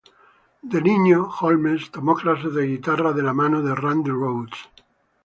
De niño, Holmes tomó clases de guitarra de la mano de Randy Rhoads.